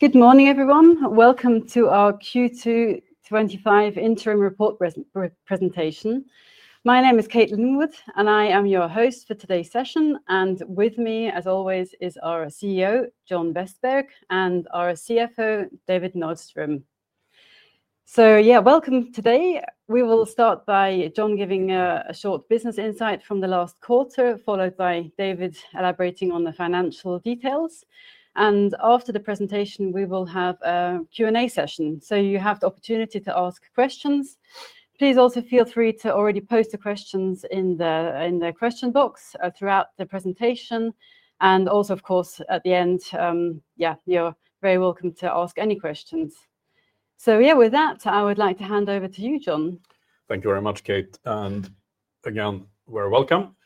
Good morning, everyone. Welcome to our Q2 2025 Interim Report Presentation. My name is Kate Linwood, and I am your host for today's session. With me, as always, is our CEO, John Vestberg, and our CFO, David Nordström. Welcome. Today, we will start by John giving a short business insight from the last quarter, followed by David elaborating on the financial details. After the presentation, we will have a Q&A session. You have the opportunity to ask questions. Please also feel free to already post the questions in the question box throughout the presentation. Of course, at the end, you're very welcome to ask any questions. With that, I would like to hand over to you, John. Thank you very much, Kate. You're welcome.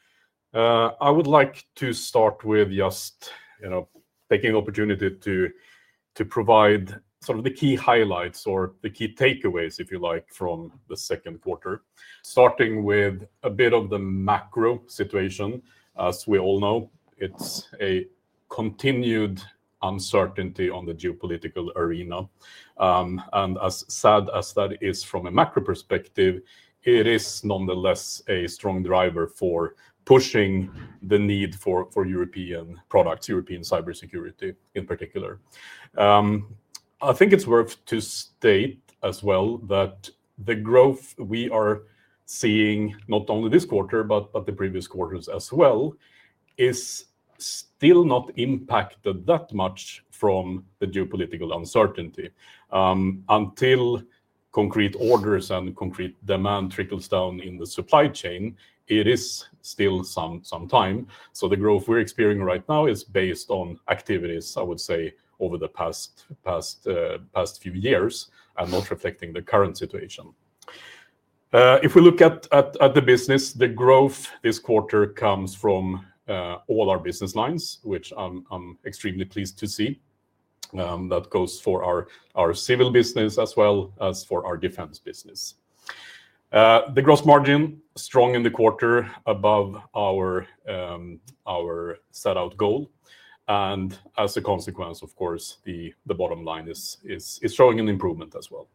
I would like to start with just taking the opportunity to provide some of the key highlights or the key takeaways, if you like, from the second quarter, starting with a bit of the macro situation. As we all know, it's a continued uncertainty on the geopolitical arena. As sad as that is from a macro perspective, it is nonetheless a strong driver for pushing the need for European products, European cybersecurity in particular. I think it's worth to state as well that the growth we are seeing, not only this quarter but the previous quarters as well, is still not impacted that much from the geopolitical uncertainty. Until concrete orders and concrete demand trickles down in the supply chain, it is still some time. The growth we're experiencing right now is based on activities, I would say, over the past few years and not reflecting the current situation. If we look at the business, the growth this quarter comes from all our business lines, which I'm extremely pleased to see. That goes for our civil business as well as for our defense business. The gross margin is strong in the quarter, above our set out goal. As a consequence, of course, the bottom line is showing an improvement as well.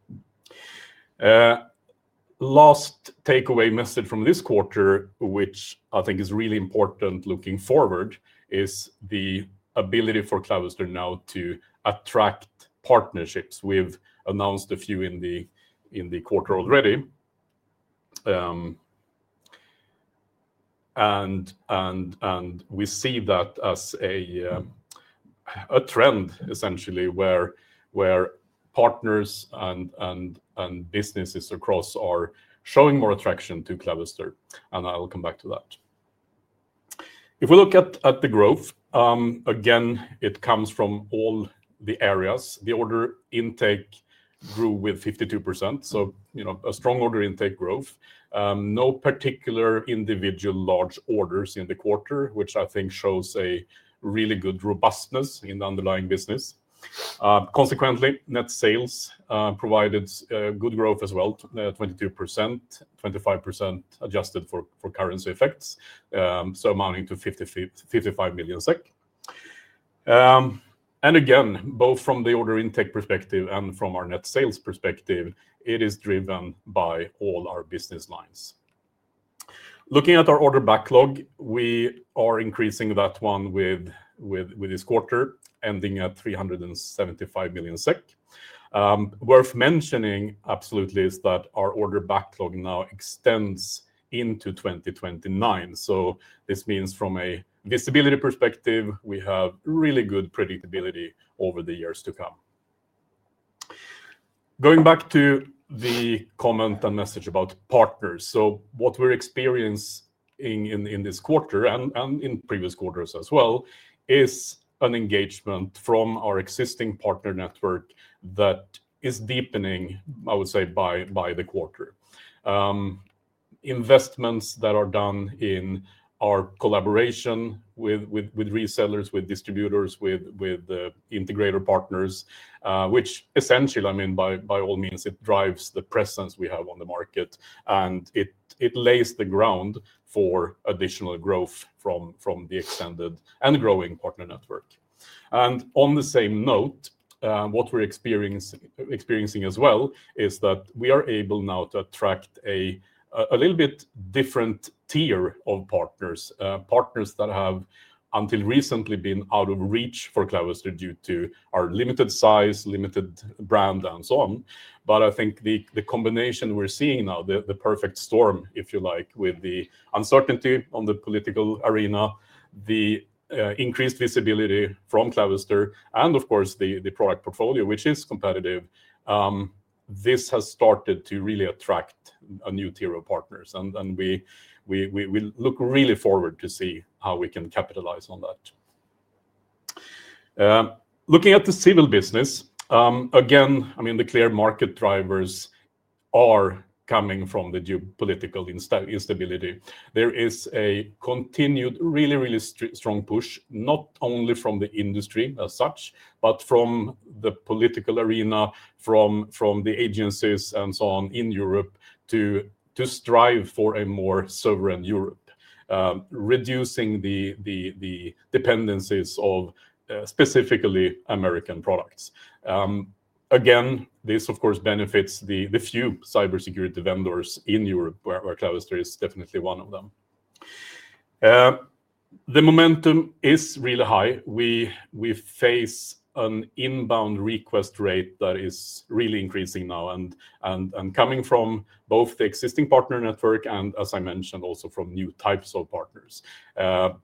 Last takeaway message from this quarter, which I think is really important looking forward, is the ability for Clavister now to attract partnerships. We've announced a few in the quarter already. We see that as a trend, essentially, where partners and businesses across are showing more attraction to Clavister. I'll come back to that. If we look at the growth, again, it comes from all the areas. The order intake grew with 52%. A strong order intake growth. No particular individual large orders in the quarter, which I think shows a really good robustness in the underlying business. Consequently, net sales provided good growth as well, 22%, 25% adjusted for currency effects, amounting to 55 million SEK. Again, both from the order intake perspective and from our net sales perspective, it is driven by all our business lines. Looking at our order backlog, we are increasing that one with this quarter, ending at 375 million SEK. Worth mentioning, absolutely, is that our order backlog now extends into 2029. This means from a visibility perspective, we have really good predictability over the years to come. Going back to the comment and message about partners. What we're experiencing in this quarter and in previous quarters as well is an engagement from our existing partner network that is deepening, I would say, by the quarter. Investments that are done in our collaboration with resellers, with distributors, with integrator partners, which essentially, by all means, drives the presence we have on the market. It lays the ground for additional growth from the extended and growing partner network. On the same note, what we're experiencing as well is that we are able now to attract a little bit different tier of partners, partners that have until recently been out of reach for Clavister due to our limited size, limited brand, and so on. I think the combination we're seeing now, the perfect storm, if you like, with the uncertainty on the political arena, the increased visibility from Clavister, and of course, the product portfolio, which is competitive, this has started to really attract a new tier of partners. We look really forward to see how we can capitalize on that. Looking at the civil business, again, the clear market drivers are coming from the geopolitical instability. There is a continued, really, really strong push, not only from the industry as such, but from the political arena, from the agencies, and so on in Europe to strive for a more sovereign Europe, reducing the dependencies of specifically American products. This, of course, benefits the few cybersecurity vendors in Europe, where Clavister is definitely one of them. The momentum is really high. We face an inbound request rate that is really increasing now and coming from both the existing partner network and, as I mentioned, also from new types of partners.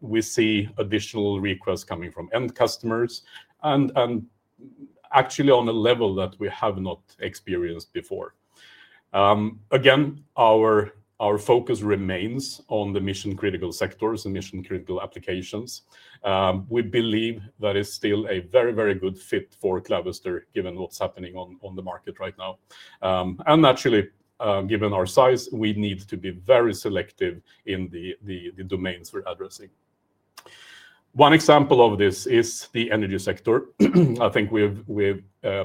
We see additional requests coming from end customers and actually on a level that we have not experienced before. Our focus remains on the mission-critical sectors and mission-critical applications. We believe that it's still a very, very good fit for Clavister, given what's happening on the market right now. Actually, given our size, we need to be very selective in the domains we're addressing. One example of this is the energy sector. I think we've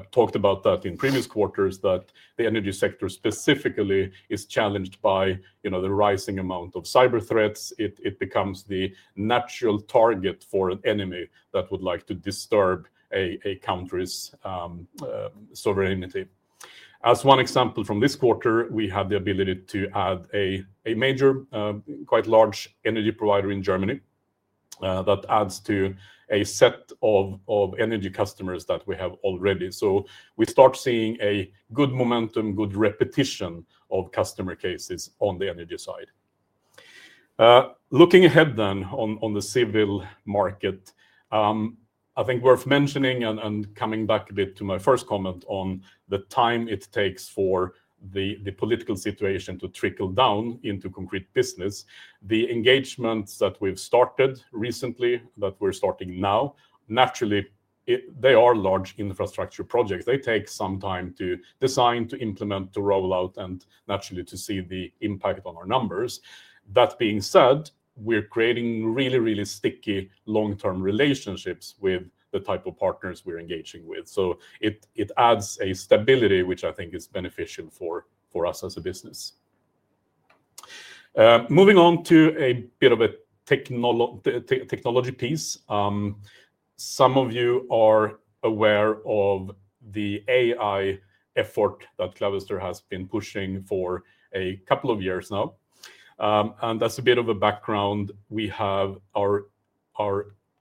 talked about that in previous quarters, that the energy sector specifically is challenged by the rising amount of cyber threats. It becomes the natural target for an enemy that would like to disturb a country's sovereignty. As one example from this quarter, we have the ability to add a major, quite large energy provider in Germany. That adds to a set of energy customers that we have already. We start seeing a good momentum, good repetition of customer cases on the energy side. Looking ahead on the civil market, I think worth mentioning and coming back a bit to my first comment on the time it takes for the political situation to trickle down into concrete business, the engagements that we've started recently, that we're starting now, naturally, they are large infrastructure projects. They take some time to design, to implement, to roll out, and naturally to see the impact on our numbers. That being said, we're creating really, really sticky long-term relationships with the type of partners we're engaging with. It adds a stability, which I think is beneficial for us as a business. Moving on to a bit of a technology piece, some of you are aware of the AI effort that Clavister has been pushing for a couple of years now. As a bit of a background, we have our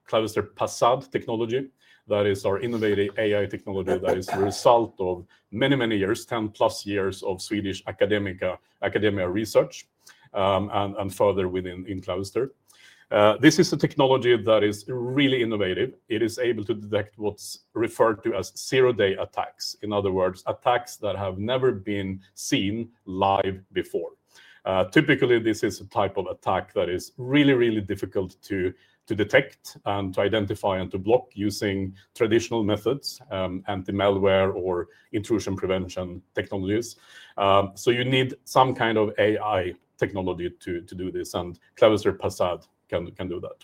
Clavister PASAD technology. That is our innovative AI technology that is the result of many, many years, 10+ years of Swedish academia research and further within Clavister. This is a technology that is really innovative. It is able to detect what's referred to as zero-day attacks. In other words, attacks that have never been seen live before. Typically, this is a type of attack that is really, really difficult to detect and to identify and to block using traditional methods, anti-malware or intrusion prevention technologies. You need some kind of AI technology to do this, and Clavister PASAD can do that.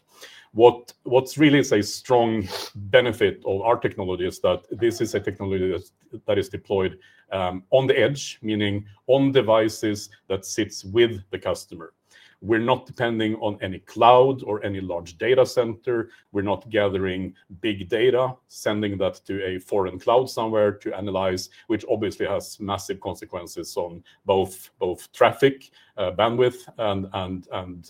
What's really a strong benefit of our technology is that this is a technology that is deployed on the edge, meaning on devices that sit with the customer. We're not depending on any cloud or any large data center. We're not gathering big data, sending that to a foreign cloud somewhere to analyze, which obviously has massive consequences on both traffic, bandwidth, and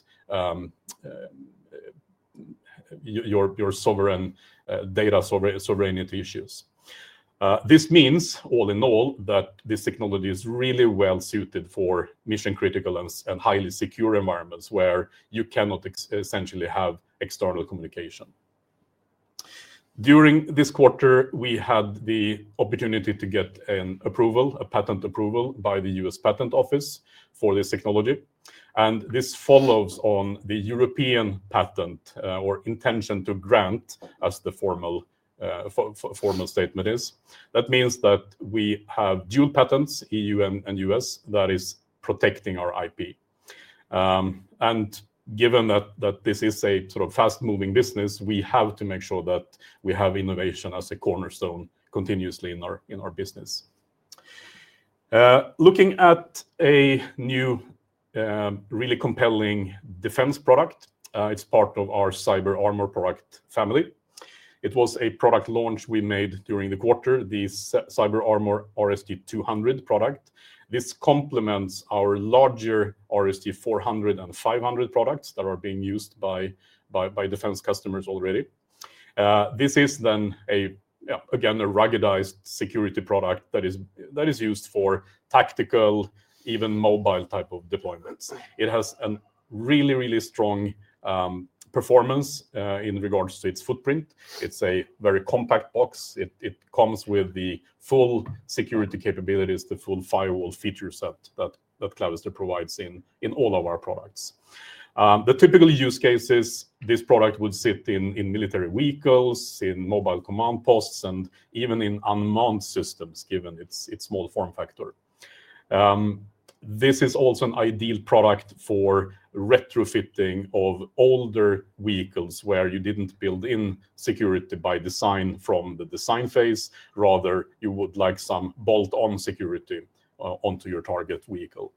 your sovereign data sovereignty issues. This means, all in all, that this technology is really well suited for mission-critical and highly secure environments where you cannot essentially have external communication. During this quarter, we had the opportunity to get an approval, a patent approval by the U.S. Patent Office for this technology. This follows on the European patent or intention to grant, as the formal statement is. That means that we have dual patents, EU and U.S., that is protecting our IP. Given that this is a sort of fast-moving business, we have to make sure that we have innovation as a cornerstone continuously in our business. Looking at a new, really compelling defense product, it's part of our Cyber Armour product family. It was a product launch we made during the quarter, the Cyber Armour RSG-200 product. This complements our larger RSG-400 and RSG-500 products that are being used by defense customers already. This is then, again, a ruggedized security product that is used for tactical, even mobile type of deployments. It has a really, really strong performance in regards to its footprint. It's a very compact box. It comes with the full security capabilities, the full firewall feature set that Clavister provides in all of our products. The typical use cases, this product would sit in military vehicles, in mobile command posts, and even in unmanned systems, given its small form factor. This is also an ideal product for retrofitting of older vehicles where you didn't build in security by design from the design phase. Rather, you would like some bolt-on security onto your target vehicle.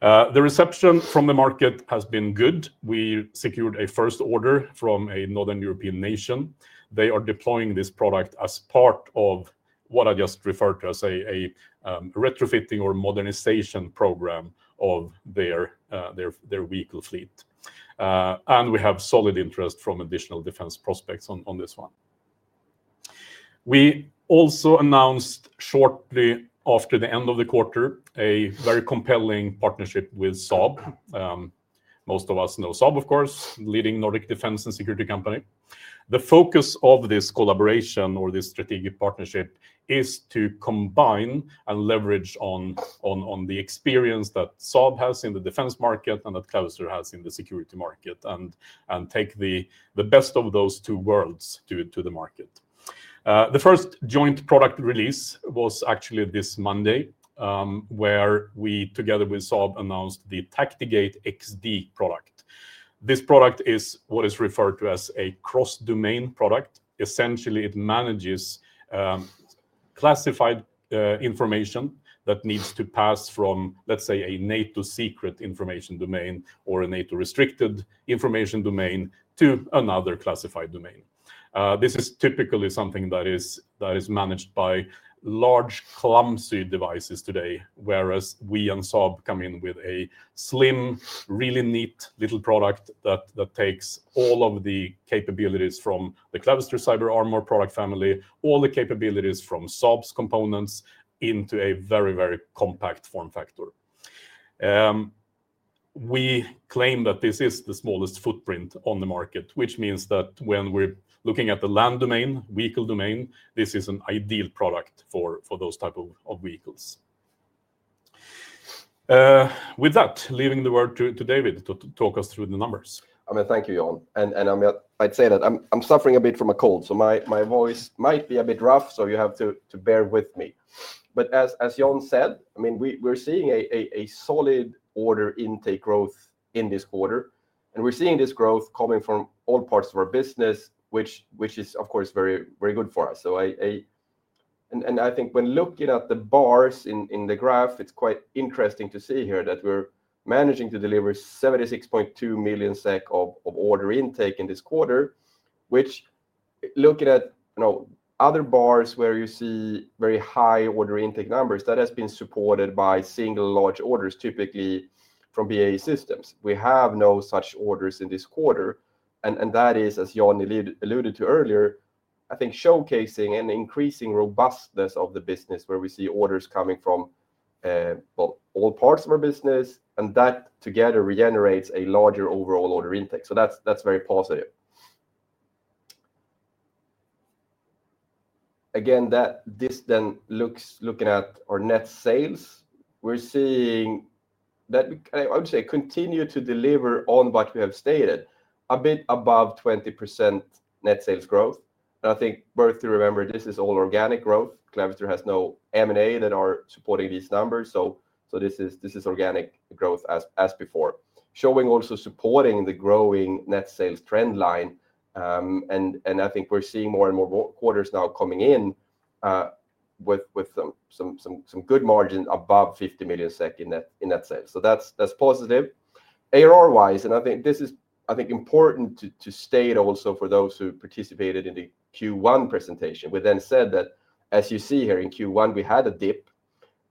The reception from the market has been good. We secured a first order from a Northern European nation. They are deploying this product as part of what I just referred to as a retrofitting or modernization program of their vehicle fleet. We have solid interest from additional defense prospects on this one. We also announced, shortly after the end of the quarter, a very compelling partnership with Saab. Most of us know Saab, of course, leading Nordic defense and security company. The focus of this collaboration or this strategic partnership is to combine and leverage on the experience that Saab has in the defense market and that Clavister has in the security market and take the best of those two worlds to the market. The first joint product release was actually this Monday, where we, together with Saab, announced the TactiGate XD product. This product is what is referred to as a cross-domain product. Essentially, it manages classified information that needs to pass from, let's say, a NATO secret information domain or a NATO restricted information domain to another classified domain. This is typically something that is managed by large clumsy devices today, whereas we and Saab come in with a slim, really neat little product that takes all of the capabilities from the Clavister Cyber Armour product family, all the capabilities from Saab's components into a very, very compact form factor. We claim that this is the smallest footprint on the market, which means that when we're looking at the land domain, vehicle domain, this is an ideal product for those types of vehicles. With that, leaving the word to David to talk us through the numbers. Thank you, John. I'd say that I'm suffering a bit from a cold, so my voice might be a bit rough, so you have to bear with me. As John said, we're seeing a solid order intake growth in this quarter. We're seeing this growth coming from all parts of our business, which is, of course, very good for us. I think when looking at the bars in the graph, it's quite interesting to see here that we're managing to deliver 76.2 million SEK of order intake in this quarter, which, looking at other bars where you see very high order intake numbers, that has been supported by single large orders, typically from BAE Systems. We have no such orders in this quarter. That is, as John alluded to earlier, showcasing an increasing robustness of the business where we see orders coming from all parts of our business. That together regenerates a larger overall order intake. That's very positive. Looking at our net sales, we're seeing that we continue to deliver on what we have stated, a bit above 20% net sales growth. Worth remembering, this is all organic growth. Clavister has no M&A that are supporting these numbers. This is organic growth as before, also supporting the growing net sales trend line. We're seeing more and more quarters now coming in with some good margin above 50 million SEK in net sales. That's positive. ARR-wise, and I think this is important to state also for those who participated in the Q1 presentation. We then said that, as you see here in Q1, we had a dip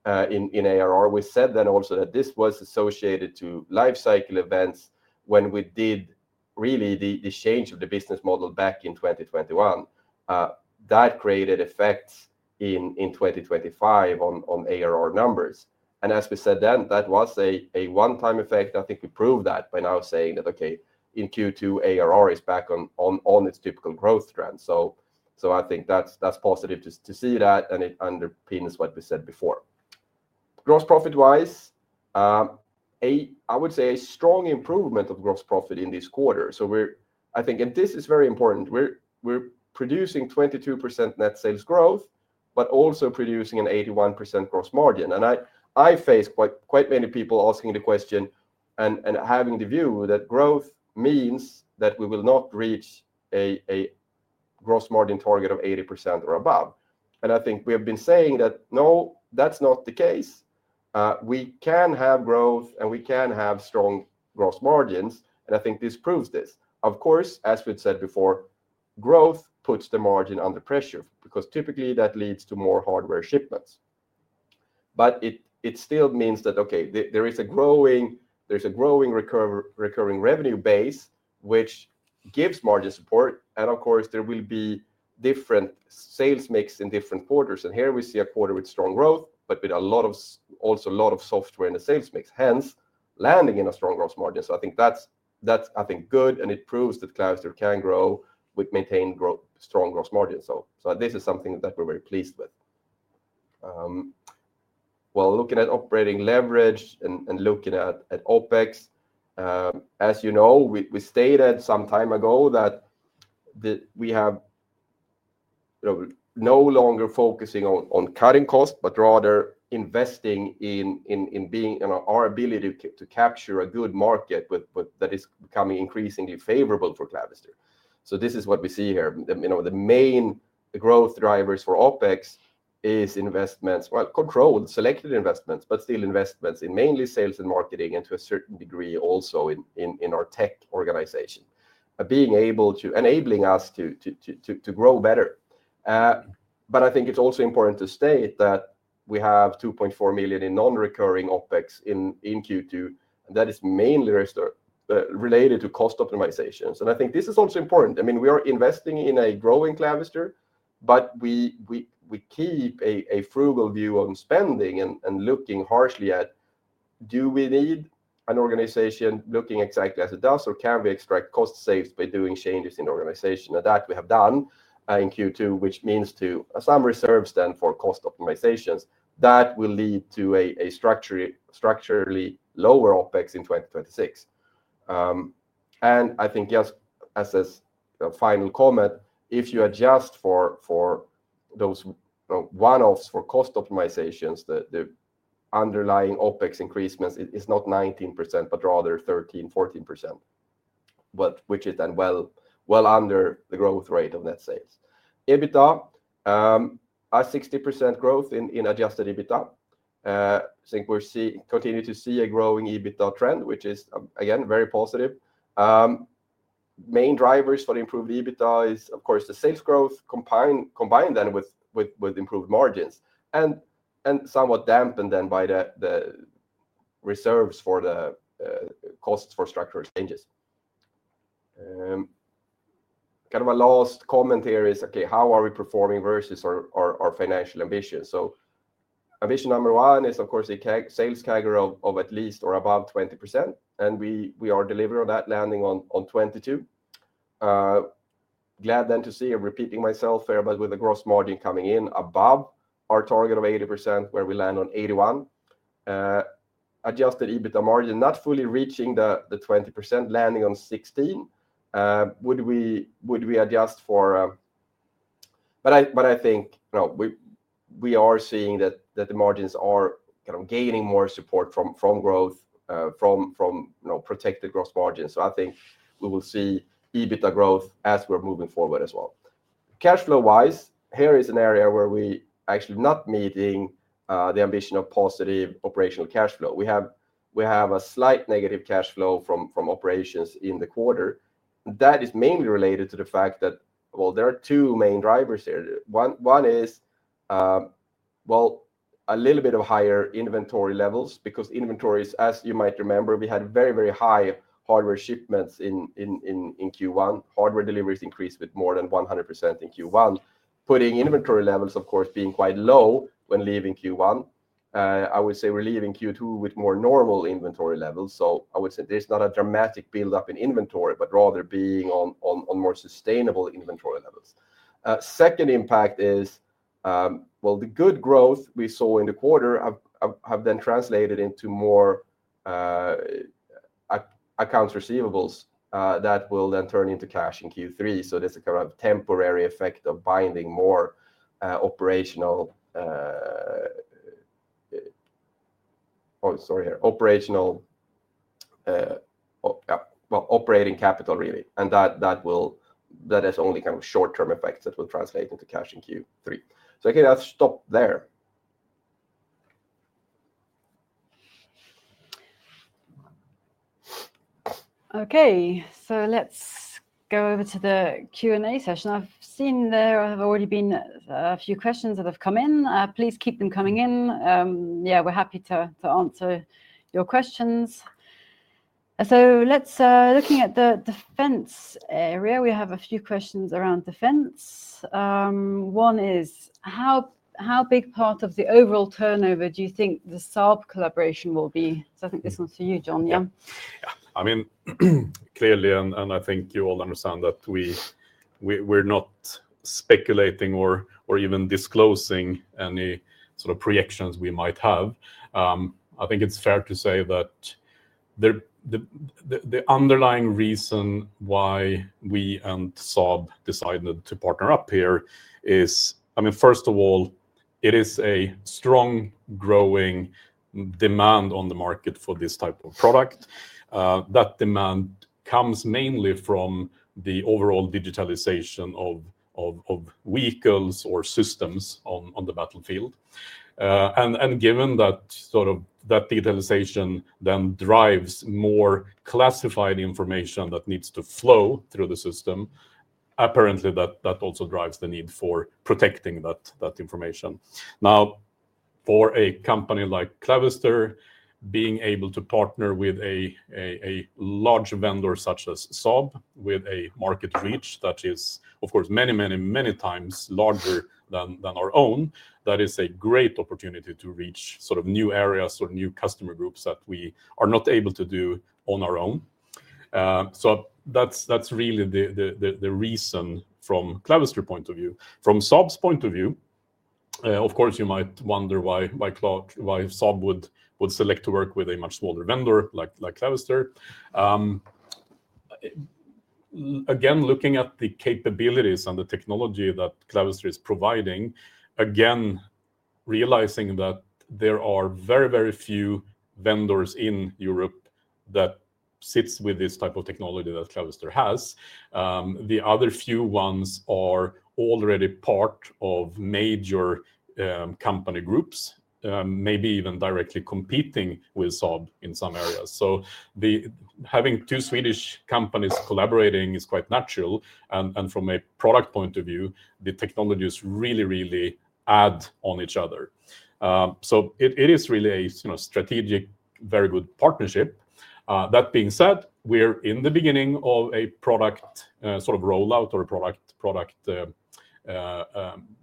in ARR. We said then also that this was associated to life cycle events when we did really the change of the business model back in 2021. That created effects in 2025 on ARR numbers. As we said then, that was a one-time effect. I think we proved that by now saying that, in Q2, ARR is back on its typical growth trend. That's positive to see. It underpins what we said before. Gross profit-wise, I would say a strong improvement of gross profit in this quarter. This is very important. We're producing 22% net sales growth, but also producing an 81% gross margin. I face quite many people asking the question and having the view that growth means that we will not reach a gross margin target of 80% or above. We have been saying that, no, that's not the case. We can have growth and we can have strong gross margins. I think this proves this. Of course, as we've said before, growth puts the margin under pressure because typically that leads to more hardware shipments. It still means that, okay, there is a growing recurring revenue base, which gives margin support. There will be different sales mix in different quarters. Here we see a quarter with strong growth, but with a lot of, also a lot of software in the sales mix, hence landing in a strong gross margin. I think that's, I think, good. It proves that Clavister can grow with maintained strong gross margins. This is something that we're very pleased with. Looking at operating leverage and looking at OpEx, as you know, we stated some time ago that we are no longer focusing on cutting costs, but rather investing in our ability to capture a good market that is becoming increasingly favorable for Clavister. This is what we see here. The main growth drivers for OpEx is investments, well, controlled, selected investments, but still investments in mainly sales and marketing, and to a certain degree also in our tech organization, being able to enable us to grow better. I think it's also important to state that we have 2.4 million in non-recurring OpEx in Q2. That is mainly related to cost optimizations. I think this is also important. I mean, we are investing in a growing Clavister, but we keep a frugal view on spending and looking harshly at, do we need an organization looking exactly as it does, or can we extract cost saved by doing changes in the organization? That we have done in Q2, which means to have some reserves then for cost optimizations that will lead to a structurally lower OpEx in 2026. I think just as a final comment, if you adjust for those one-offs for cost optimizations, the underlying OpEx increasements is not 19%, but rather 13%, 14%, which is then well under the growth rate of net sales. EBITDA, a 60% growth in adjusted EBITDA. I think we continue to see a growing EBITDA trend, which is, again, very positive. Main drivers for the improved EBITDA is, of course, the sales growth combined then with improved margins and somewhat dampened then by the reserves for the costs for structural changes. Kind of a last comment here is, okay, how are we performing versus our financial ambitions? Ambition number one is, of course, a sales CAGR of at least or above 20%. We are delivering on that landing on 22%. Glad then to see, repeating myself here, but with a gross margin coming in above our target of 80%, where we land on 81%. Adjusted EBITDA margin not fully reaching the 20%, landing on 16%. Would we adjust for... I think, no, we are seeing that the margins are kind of gaining more support from growth, from protected gross margins. I think we will see EBITDA growth as we're moving forward as well. Cash flow-wise, here is an area where we are actually not meeting the ambition of positive operational cash flow. We have a slight negative cash flow from operations in the quarter. That is mainly related to the fact that there are two main drivers here. One is a little bit of higher inventory levels because inventories, as you might remember, we had very, very high hardware shipments in Q1. Hardware deliveries increased with more than 100% in Q1, putting inventory levels, of course, being quite low when leaving Q1. I would say we're leaving Q2 with more normal inventory levels. I would say there's not a dramatic buildup in inventory, but rather being on more sustainable inventory levels. Second impact is the good growth we saw in the quarter has then translated into more accounts receivables that will then turn into cash in Q3. There's a kind of temporary effect of binding more operational... Oh, sorry here. Operational... operating capital, really. That is only kind of short-term effects that will translate into cash in Q3. I'll stop there. Okay, let's go over to the Q&A session. I've seen there have already been a few questions that have come in. Please keep them coming in. We're happy to answer your questions. Looking at the defense area, we have a few questions around defense. One is, how big part of the overall turnover do you think the Saab collaboration will be? I think this one's for you, John. Yeah. I mean, clearly, and I think you all understand that we're not speculating or even disclosing any sort of projections we might have. I think it's fair to say that the underlying reason why we and Saab decided to partner up here is, first of all, it is a strong growing demand on the market for this type of product. That demand comes mainly from the overall digitalization of vehicles or systems on the battlefield. Given that sort of that digitalization then drives more classified information that needs to flow through the system, apparently that also drives the need for protecting that information. Now, for a company like Clavister, being able to partner with a large vendor such as Saab with a market reach that is, of course, many, many, many times larger than our own, that is a great opportunity to reach sort of new areas or new customer groups that we are not able to do on our own. That's really the reason from Clavister's point of view. From Saab's point of view, of course, you might wonder why Saab would select to work with a much smaller vendor like Clavister. Again, looking at the capabilities and the technology that Clavister is providing, again, realizing that there are very, very few vendors in Europe that sit with this type of technology that Clavister has. The other few ones are already part of major company groups, maybe even directly competing with Saab in some areas. Having two Swedish companies collaborating is quite natural. From a product point of view, the technologies really, really add on each other. It is really a strategic, very good partnership. That being said, we're in the beginning of a product sort of rollout or a product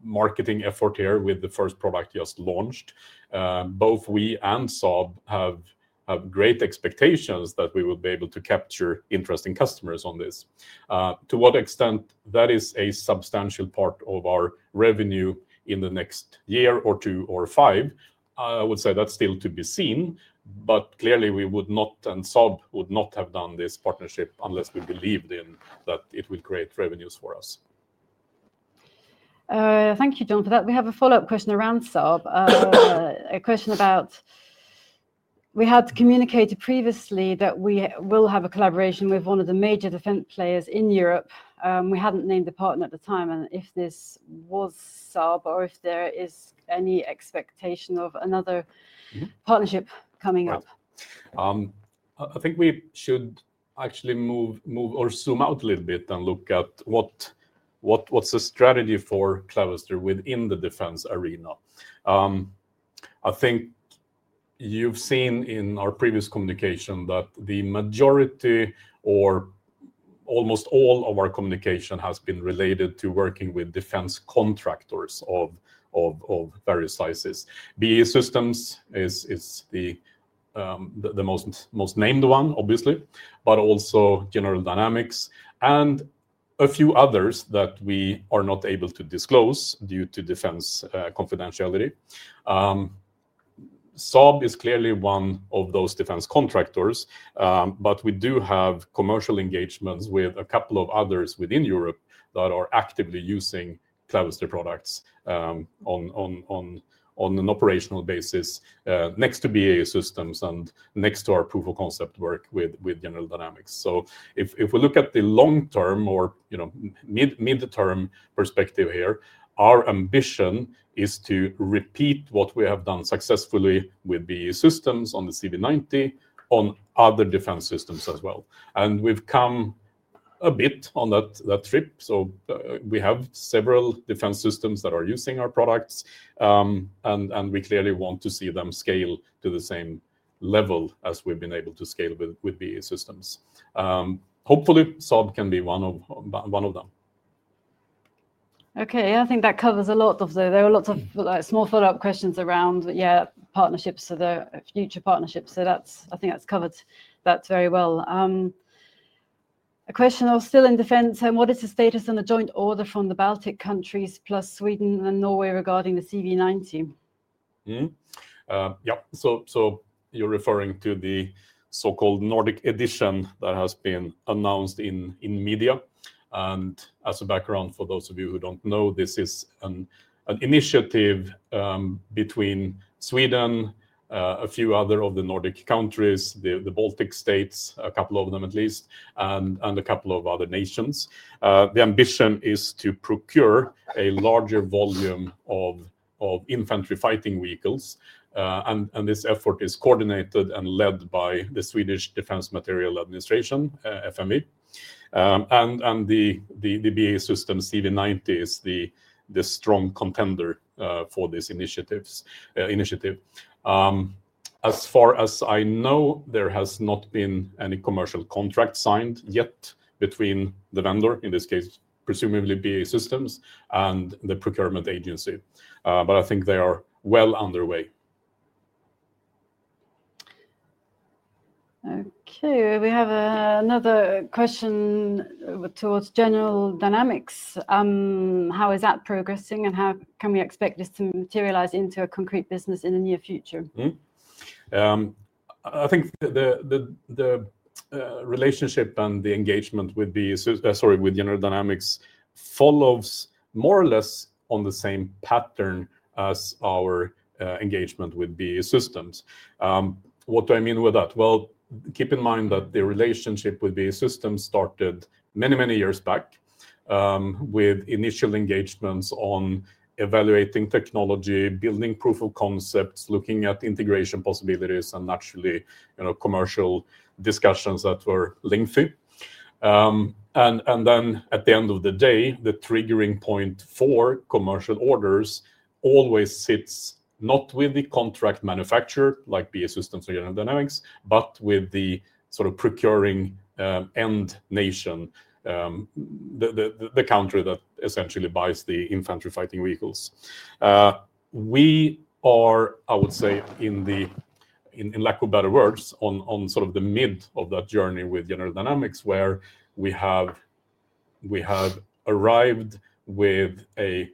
marketing effort here with the first product just launched. Both we and Saab have great expectations that we will be able to capture interesting customers on this. To what extent that is a substantial part of our revenue in the next year or two or five, I would say that still could be seen. Clearly, we would not, and Saab would not have done this partnership unless we believed in that it would create revenues for us. Thank you, John, for that. We have a follow-up question around Saab. A question about, we had communicated previously that we will have a collaboration with one of the major defense players in Europe. We hadn't named the partner at the time. If this was Saab or if there is any expectation of another partnership coming up. I think we should actually move or zoom out a little bit and look at what's the strategy for Clavister within the defense arena. I think you've seen in our previous communication that the majority or almost all of our communication has been related to working with defense contractors of various sizes. BAE Systems is the most named one, obviously, but also General Dynamics and a few others that we are not able to disclose due to defense confidentiality. Saab is clearly one of those defense contractors, but we do have commercial engagements with a couple of others within Europe that are actively using Clavister products on an operational basis next to BAE Systems and next to our proof of concept work with General Dynamics. If we look at the long-term or mid-term perspective here, our ambition is to repeat what we have done successfully with BAE Systems on the CV90, on other defense systems as well. We've come a bit on that trip. We have several defense systems that are using our products, and we clearly want to see them scale to the same level as we've been able to scale with BAE Systems. Hopefully, Saab can be one of them. Okay, I think that covers a lot of those. There were lots of small follow-up questions around partnerships, the future partnerships. I think that's covered that very well. A question still in defense. What is the status on the joint order from the Baltic countries plus Sweden and Norway regarding the CV90? Yeah, so you're referring to the so-called Nordic edition that has been announced in media. As a background for those of you who don't know, this is an initiative between Sweden, a few other of the Nordic countries, the Baltic states, a couple of them at least, and a couple of other nations. The ambition is to procure a larger volume of infantry fighting vehicles. This effort is coordinated and led by the Swedish Defense Material Administration, FMV. The BAE Systems CV90 is the strong contender for this initiative. As far as I know, there has not been any commercial contract signed yet between the vendor, in this case, presumably BAE Systems, and the procurement agency. I think they are well underway. Okay, we have another question towards General Dynamics. How is that progressing, and how can we expect this to materialize into a concrete business in the near future? I think the relationship and the engagement with BAE Systems, sorry, with General Dynamics follows more or less on the same pattern as our engagement with BAE Systems. What do I mean with that? Keep in mind that the relationship with BAE Systems started many, many years back with initial engagements on evaluating technology, building proof of concepts, looking at integration possibilities, and actually commercial discussions that were linked to. At the end of the day, the triggering point for commercial orders always sits not with the contract manufacturer like BAE Systems or General Dynamics, but with the sort of procuring end nation, the country that essentially buys the infantry fighting vehicles. I would say, in lack of better words, on sort of the mid of that journey with General Dynamics, where we have arrived with a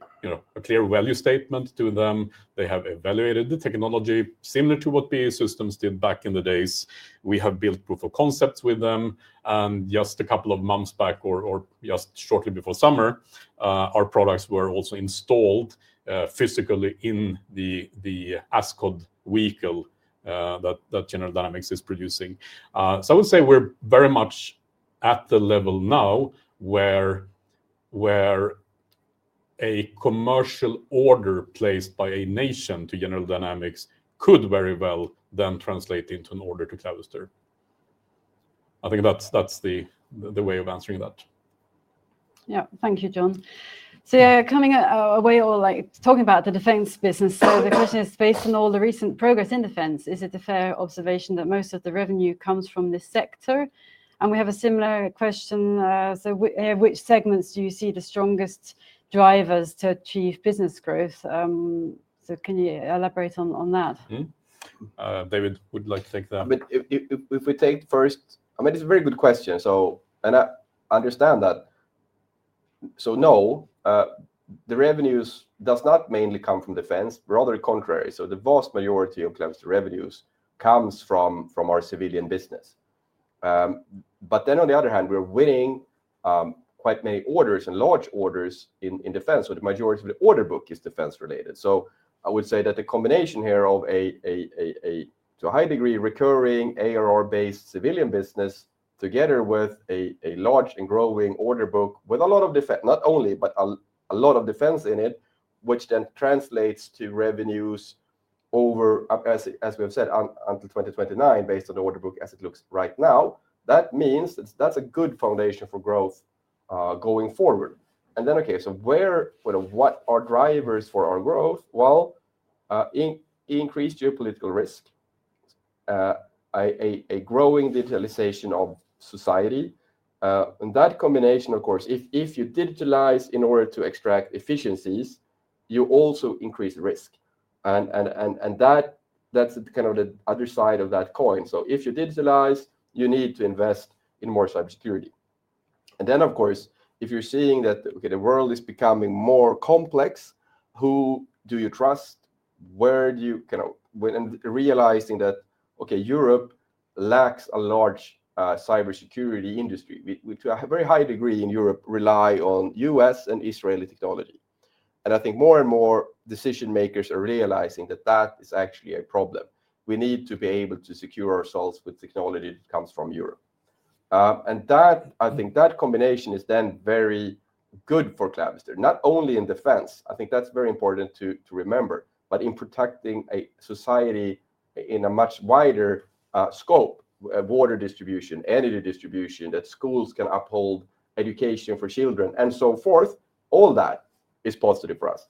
clear value statement to them. They have evaluated the technology similar to what BAE Systems did back in the days. We have built proof of concepts with them. Just a couple of months back, or just shortly before summer, our products were also installed physically in the ASCOD vehicle that General Dynamics is producing. I would say we're very much at the level now where a commercial order placed by a nation to General Dynamics could very well then translate into an order to Clavister. I think that's the way of answering that. Yeah, thank you, John. Coming away or talking about the defense business, the question is, based on all the recent progress in defense, is it a fair observation that most of the revenue comes from this sector? We have a similar question. Which segments do you see the strongest drivers to achieve business growth? Can you elaborate on that? David would like to take that. If we take first, I mean, it's a very good question. I understand that. No, the revenues do not mainly come from defense, rather the contrary. The vast majority of Clavister revenues comes from our civilian business. On the other hand, we're winning quite many orders and large orders in defense. The majority of the order book is defense-related. I would say that the combination here of a to a high degree recurring ARR-based civilian business together with a large and growing order book with a lot of defense, not only, but a lot of defense in it, which then translates to revenues over, as we have said, until 2029, based on the order book as it looks right now. That means that's a good foundation for growth going forward. What are our drivers for our growth? Increased geopolitical risk, a growing digitalization of society. That combination, of course, if you digitalize in order to extract efficiencies, you also increase risk. That's the kind of the other side of that coin. If you digitalize, you need to invest in more cybersecurity. If you're seeing that the world is becoming more complex, who do you trust? Where do you... kind of realizing that, okay, Europe lacks a large cybersecurity industry. To a very high degree in Europe, we rely on U.S. and Israeli technology. I think more and more decision makers are realizing that that is actually a problem. We need to be able to secure ourselves with technology that comes from Europe. I think that combination is then very good for Clavister, not only in defense. I think that's very important to remember. In protecting a society in a much wider scope, water distribution, energy distribution, that schools can uphold, education for children, and so forth, all that is positive for us.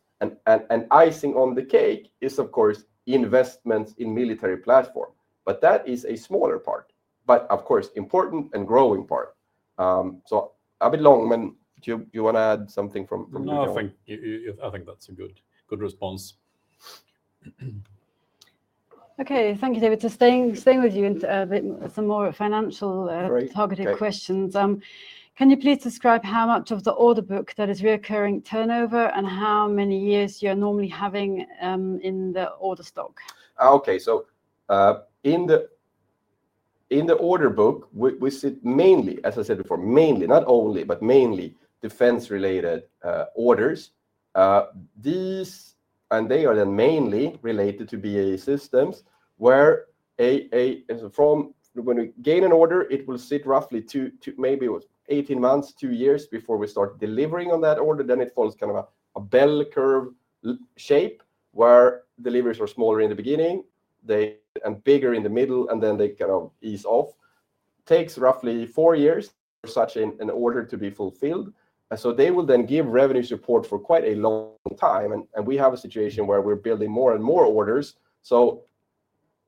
Icing on the cake is, of course, investments in military platforms. That is a smaller part, but of course, important and growing part. I'll be long. Do you want to add something from... No, I think that's a good response. Okay, thank you, David. Staying with you and some more financial targeted questions, can you please describe how much of the order book that is recurring turnover and how many years you're normally having in the order stock? Okay, so in the order book, we sit mainly, as I said before, mainly, not only, but mainly defense-related orders. These, and they are then mainly related to BAE Systems, where from when we gain an order, it will sit roughly maybe 18 months, two years before we start delivering on that order. It falls kind of a bell curve shape where deliveries are smaller in the beginning, bigger in the middle, and then they kind of ease off. It takes roughly four years for such an order to be fulfilled. They will then give revenue support for quite a long time. We have a situation where we're building more and more orders,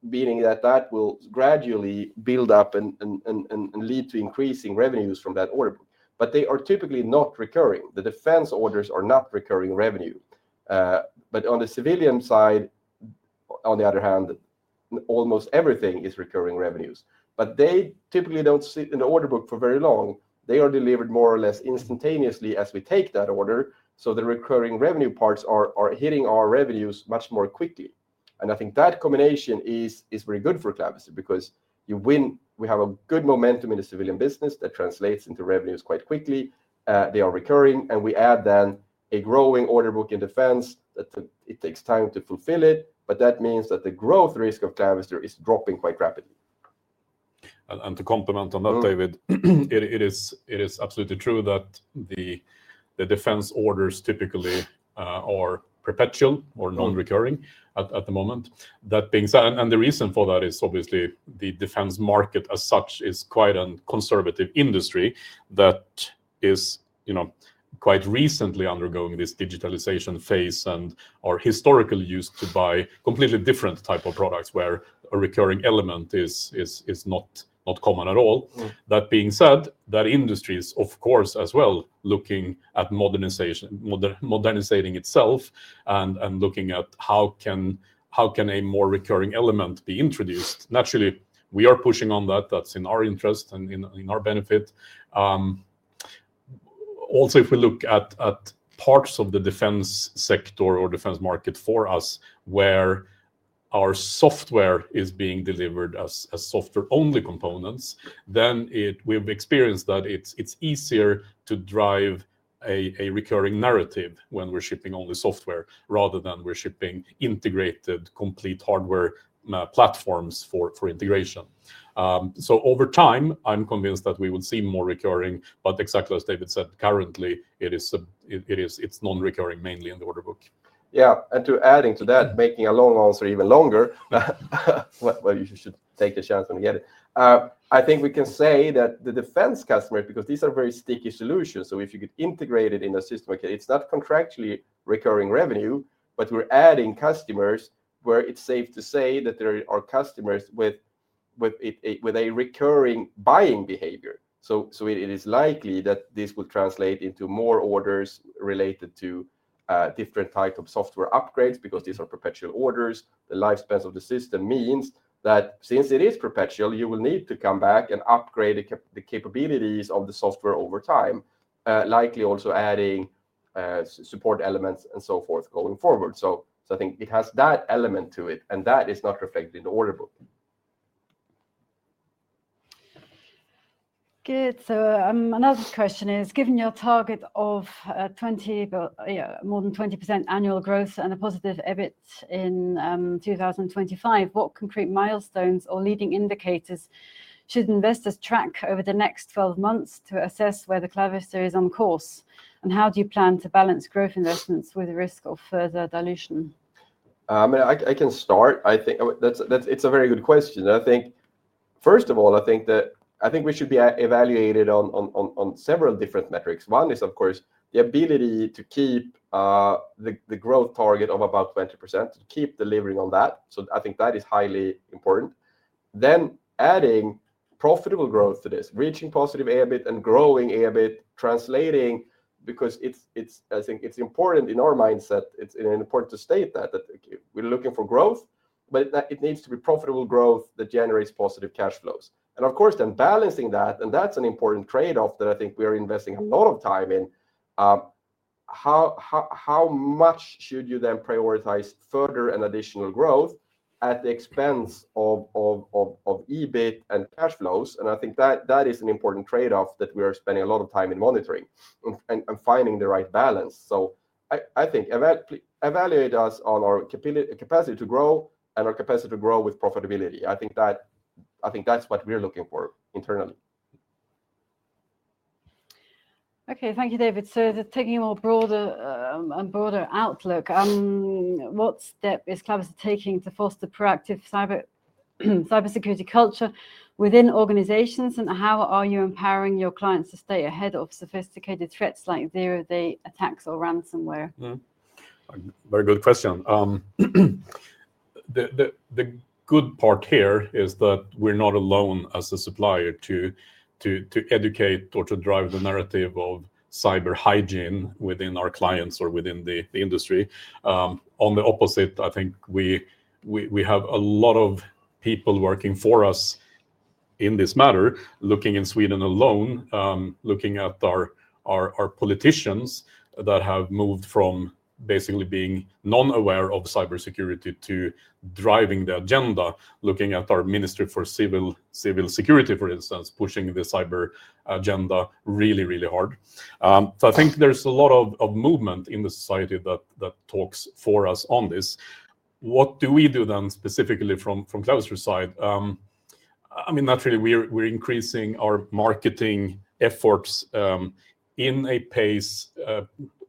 meaning that that will gradually build up and lead to increasing revenues from that order book. They are typically not recurring. The defense orders are not recurring revenue. On the civilian side, on the other hand, almost everything is recurring revenues. They typically don't sit in the order book for very long. They are delivered more or less instantaneously as we take that order. The recurring revenue parts are hitting our revenues much more quickly. I think that combination is very good for Clavister because we have a good momentum in the civilian business that translates into revenues quite quickly. They are recurring. We add then a growing order book in defense. It takes time to fulfill it. That means that the growth risk of Clavister is dropping quite rapidly. To complement on that, David, it is absolutely true that the defense orders typically are perpetual or non-recurring at the moment. That being said, the reason for that is obviously the defense market as such is quite a conservative industry that is quite recently undergoing this digitalization phase and is historically used to buy completely different types of products where a recurring element is not common at all. That being said, that industry is, of course, as well, looking at modernization itself and looking at how a more recurring element can be introduced. Naturally, we are pushing on that. That's in our interest and in our benefit. Also, if we look at parts of the defense sector or defense market for us where our software is being delivered as software-only components, then we've experienced that it's easier to drive a recurring narrative when we're shipping only software rather than when we're shipping integrated complete hardware platforms for integration. Over time, I'm convinced that we would see more recurring, but exactly as David said, currently, it is non-recurring mainly in the order book. Yeah, to add to that, making a long answer even longer, you should take a chance and get it. I think we can say that the defense customer, because these are very sticky solutions, if you get integrated in a system, it's not contractually recurring revenue, but we're adding customers where it's safe to say that there are customers with a recurring buying behavior. It is likely that this will translate into more orders related to different types of software upgrades because these are perpetual orders. The lifespan of the system means that since it is perpetual, you will need to come back and upgrade the capabilities of the software over time, likely also adding support elements and so forth going forward. I think it has that element to it, and that is not reflected in the order book. Good. Another question is, given your target of 20%—more than 20%—annual growth and a positive EBIT in 2025, what concrete milestones or leading indicators should investors track over the next 12 months to assess whether Clavister is on course? How do you plan to balance growth investments with the risk of further dilution? I think it's a very good question. First of all, I think we should be evaluated on several different metrics. One is, of course, the ability to keep the growth target of about 20%, keep delivering on that. I think that is highly important. Then adding profitable growth to this, reaching positive EBIT and growing EBIT, translating, because I think it's important in our mindset, it's important to state that we're looking for growth, but it needs to be profitable growth that generates positive cash flows. Of course, balancing that is an important trade-off that we are investing a lot of time in. How much should you then prioritize further and additional growth at the expense of EBIT and cash flows? I think that is an important trade-off that we are spending a lot of time in monitoring and finding the right balance. Evaluate us on our capacity to grow and our capacity to grow with profitability. I think that's what we're looking for internally. Thank you, David. Taking a broader outlook, what step is Clavister taking to foster proactive cybersecurity culture within organizations? How are you empowering your clients to stay ahead of sophisticated threats like zero-day attacks or ransomware? Very good question. The good part here is that we're not alone as a supplier to educate or to drive the narrative of cyber hygiene within our clients or within the industry. On the opposite, I think we have a lot of people working for us in this matter. Looking in Sweden alone, looking at our politicians that have moved from basically being non-aware of cybersecurity to driving the agenda, looking at our Ministry for Civil Security, for instance, pushing the cyber agenda really, really hard. I think there's a lot of movement in the society that talks for us on this. What do we do then specifically from Clavister's side? I mean, naturally, we're increasing our marketing efforts in a pace,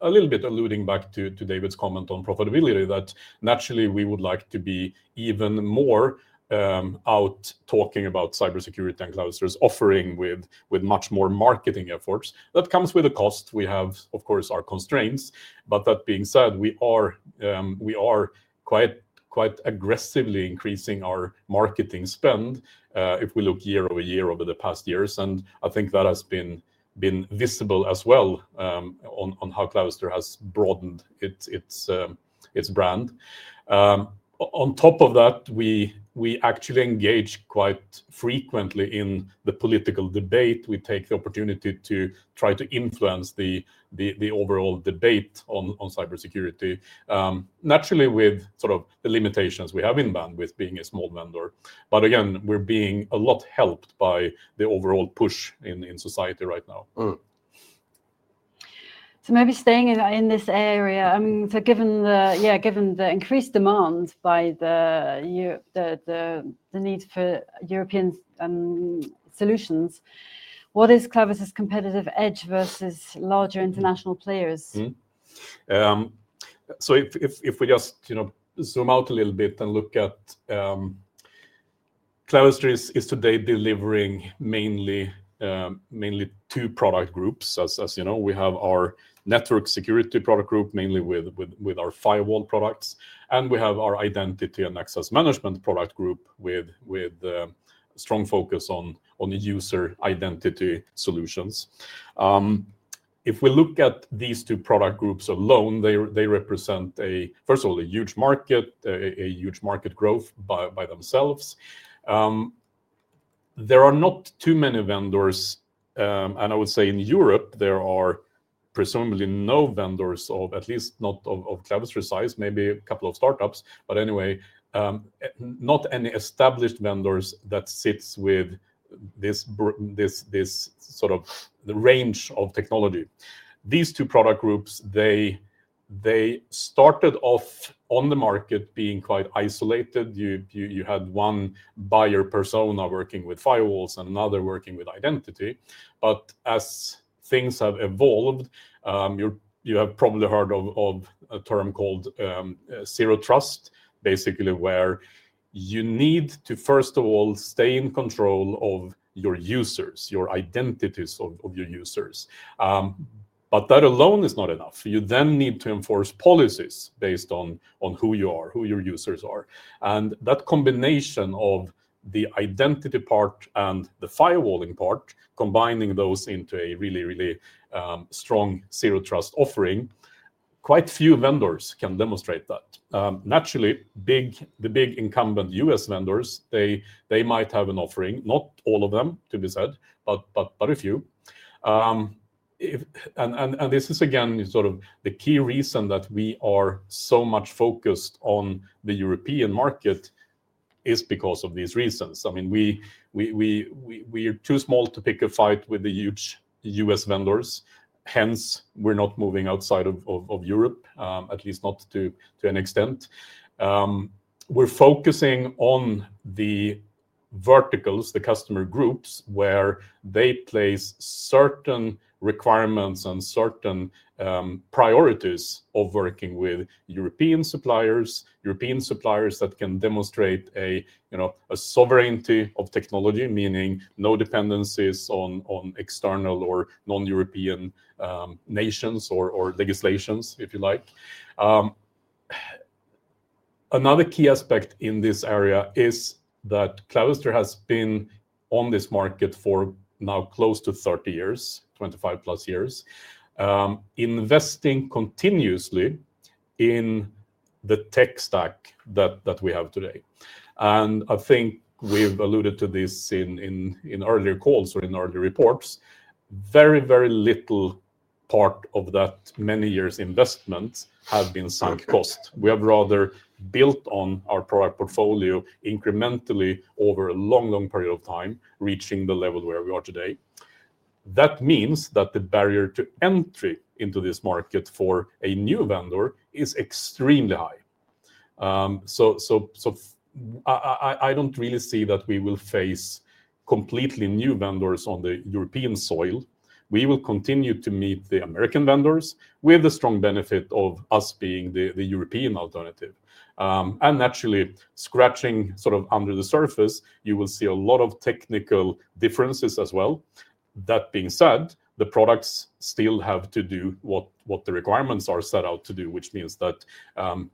a little bit alluding back to David's comment on profitability, that naturally we would like to be even more out talking about cybersecurity and Clavister's offering with much more marketing efforts. That comes with a cost. We have, of course, our constraints. That being said, we are quite aggressively increasing our marketing spend if we look year over year over the past years. I think that has been visible as well on how Clavister has broadened its brand. On top of that, we actually engage quite frequently in the political debate. We take the opportunity to try to influence the overall debate on cybersecurity, naturally with sort of the limitations we have in bandwidth being a small vendor. Again, we're being a lot helped by the overall push in society right now. Maybe staying in this area, given the increased demand by the need for European solutions, what is Clavister's competitive edge versus larger international players? If we just zoom out a little bit and look at Clavister, it is today delivering mainly two product groups. As you know, we have our network security product group, mainly with our firewall products, and we have our identity and access management product group with a strong focus on the user identity solutions. If we look at these two product groups alone, they represent, first of all, a huge market, a huge market growth by themselves. There are not too many vendors, and I would say in Europe, there are presumably no vendors, at least not of Clavister's size, maybe a couple of startups, but anyway, not any established vendors that sit with this sort of range of technology. These two product groups started off on the market being quite isolated. You had one buyer persona working with firewalls and another working with identity. As things have evolved, you have probably heard of a term called zero trust, basically where you need to, first of all, stay in control of your users, your identities of your users. That alone is not enough. You then need to enforce policies based on who you are, who your users are. That combination of the identity part and the firewalling part, combining those into a really, really strong zero-trust offering, quite few vendors can demonstrate that. Naturally, the big incumbent U.S. vendors might have an offering, not all of them, to be said, but a few. This is, again, sort of the key reason that we are so much focused on the European market, because of these reasons. I mean, we are too small to pick a fight with the huge U.S. vendors. Hence, we're not moving outside of Europe, at least not to an extent. We're focusing on the verticals, the customer groups, where they place certain requirements and certain priorities of working with European suppliers, European suppliers that can demonstrate a sovereignty of technology, meaning no dependencies on external or non-European nations or legislations, if you like. Another key aspect in this area is that Clavister has been on this market for now close to 30 years, 25+ years, investing continuously in the tech stack that we have today. I think we've alluded to this in earlier calls or in earlier reports. Very, very little part of that many years' investment have been sunk costs. We have rather built on our product portfolio incrementally over a long, long period of time, reaching the level where we are today. That means that the barrier to entry into this market for a new vendor is extremely high. I don't really see that we will face completely new vendors on the European soil. We will continue to meet the American vendors with the strong benefit of us being the European alternative. Naturally, scratching sort of under the surface, you will see a lot of technical differences as well. That being said, the products still have to do what the requirements are set out to do, which means that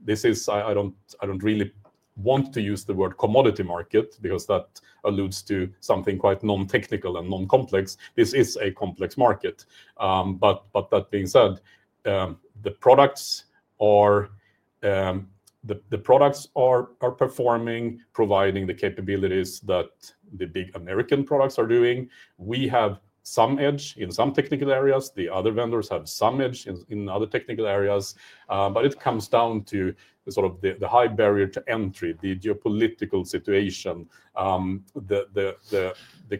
this is, I don't really want to use the word commodity market because that alludes to something quite non-technical and non-complex. This is a complex market. That being said, the products are performing, providing the capabilities that the big American products are doing. We have some edge in some technical areas. The other vendors have some edge in other technical areas. It comes down to sort of the high barrier to entry, the geopolitical situation, the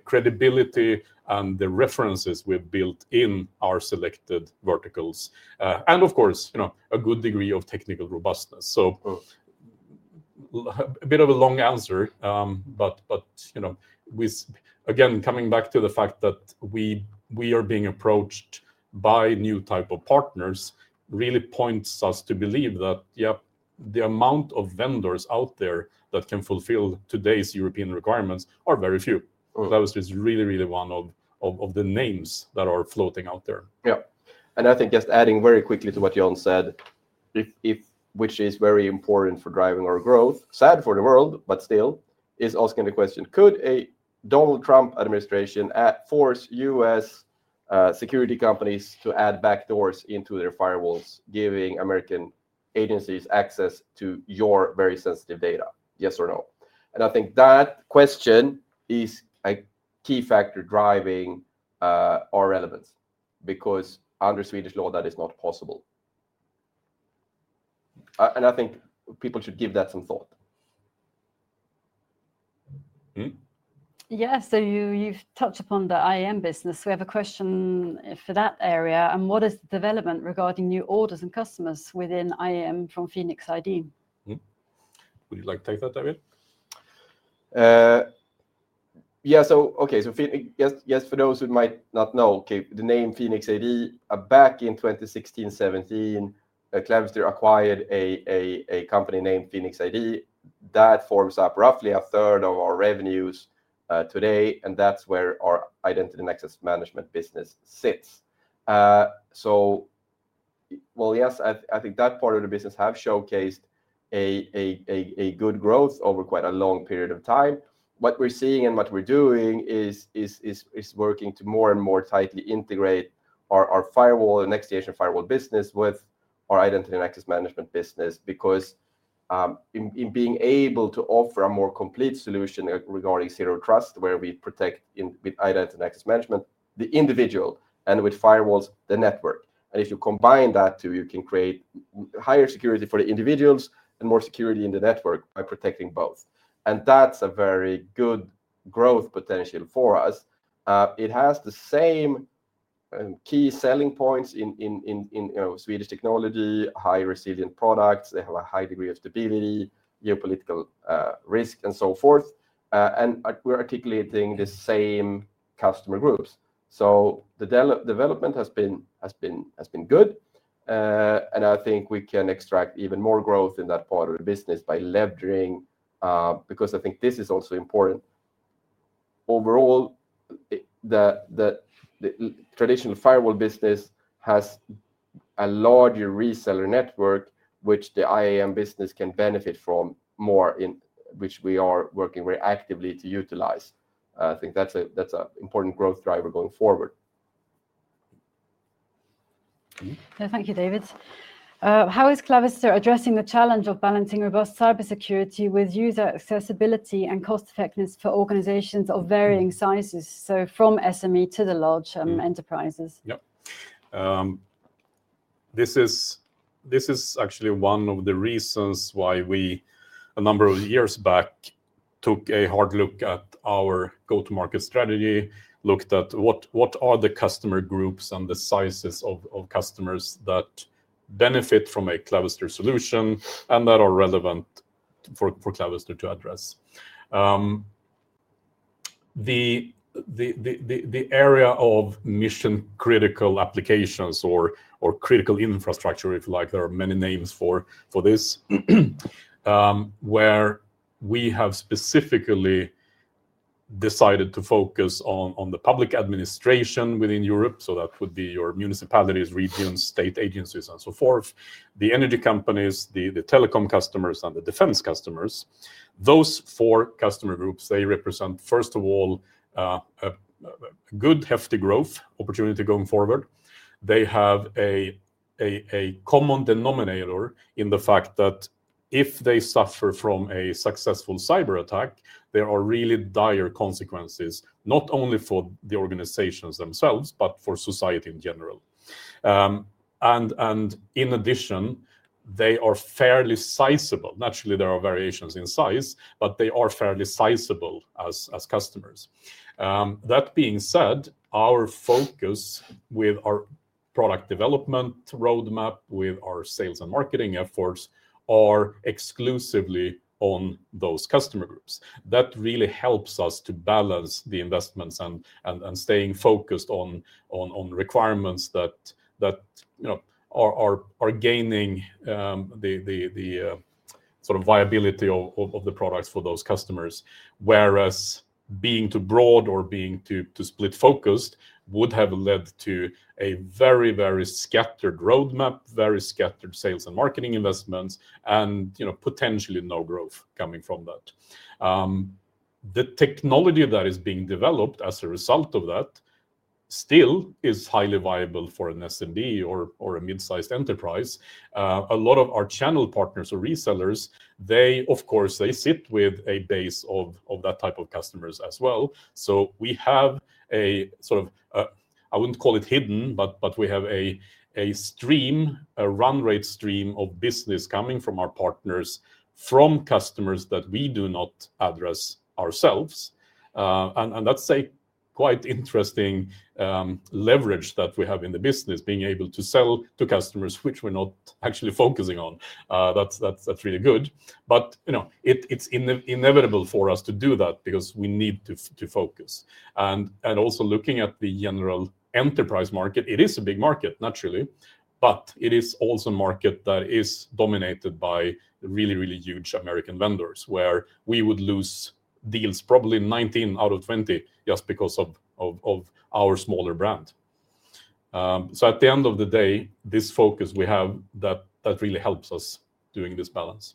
credibility, and the references we've built in our selected verticals. Of course, a good degree of technical robustness. A bit of a long answer, but again, coming back to the fact that we are being approached by new types of partners really points us to believe that, yeah, the amount of vendors out there that can fulfill today's European requirements are very few. Clavister is really, really one of the names that are floating out there. Yeah, and I think just adding very quickly to what John said, which is very important for driving our growth, sad for the world, but still, is asking the question, could a Donald Trump administration force U.S. security companies to add backdoors into their firewalls, giving American agencies access to your very sensitive data? Yes or no? I think that question is a key factor driving our relevance because under Swedish law, that is not possible. I think people should give that some thought. Yeah, you've touched upon the IAM business. We have a question for that area. What is the development regarding new orders and customers within IAM from PhenixID? Would you like to take that, David? Yes, for those who might not know, the name PhenixID, back in 2016, 2017, Clavister acquired a company named PhenixID. That forms up roughly a third of our revenues today, and that's where our identity and access management business sits. I think that part of the business has showcased a good growth over quite a long period of time. What we're seeing and what we're doing is working to more and more tightly integrate our firewall and next-generation firewall business with our identity and access management business because in being able to offer a more complete solution regarding zero trust, where we protect with identity and access management the individual and with firewalls the network. If you combine that, you can create higher security for the individuals and more security in the network by protecting both. That's a very good growth potential for us. It has the same key selling points in Swedish technology, high resilient products. They have a high degree of stability, geopolitical risk, and so forth. We're articulating the same customer groups. The development has been good. I think we can extract even more growth in that part of the business by leveraging, because I think this is also important. Overall, the traditional firewall business has a larger reseller network, which the IAM business can benefit from more, which we are working very actively to utilize. I think that's an important growth driver going forward. Thank you, David. How is Clavister addressing the challenge of balancing robust cybersecurity with user accessibility and cost effectiveness for organizations of varying sizes? From SME to the large enterprises? Yeah, this is actually one of the reasons why we, a number of years back, took a hard look at our go-to-market strategy, looked at what are the customer groups and the sizes of customers that benefit from a Clavister solution and that are relevant for Clavister to address. The area of mission-critical applications or critical infrastructure, if you like, there are many names for this, where we have specifically decided to focus on the public administration within Europe. That would be your municipalities, regions, state agencies, and so forth. The energy companies, the telecom customers, and the defense customers. Those four customer groups, they represent, first of all, good, hefty growth opportunity going forward. They have a common denominator in the fact that if they suffer from a successful cyber attack, there are really dire consequences, not only for the organizations themselves, but for society in general. In addition, they are fairly sizable. Naturally, there are variations in size, but they are fairly sizable as customers. That being said, our focus with our product development roadmap, with our sales and marketing efforts, is exclusively on those customer groups. That really helps us to balance the investments and staying focused on requirements that are gaining the sort of viability of the products for those customers. Whereas being too broad or being too split-focused would have led to a very, very scattered roadmap, very scattered sales and marketing investments, and potentially no growth coming from that. The technology that is being developed as a result of that still is highly viable for an SMB or a mid-sized enterprise. A lot of our channel partners or resellers, they, of course, sit with a base of that type of customers as well. We have a sort of, I wouldn't call it hidden, but we have a stream, a run-rate stream of business coming from our partners from customers that we do not address ourselves. That's a quite interesting leverage that we have in the business, being able to sell to customers which we're not actually focusing on. That's really good. It's inevitable for us to do that because we need to focus. Also, looking at the general enterprise market, it is a big market, naturally. It is also a market that is dominated by really, really huge American vendors, where we would lose deals probably 19 out of 20 just because of our smaller brand. At the end of the day, this focus we have really helps us doing this balance.